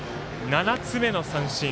７つ目の三振。